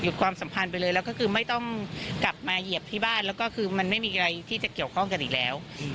ความสัมพันธ์ไปเลยแล้วก็คือไม่ต้องกลับมาเหยียบที่บ้านแล้วก็คือมันไม่มีอะไรที่จะเกี่ยวข้องกันอีกแล้ว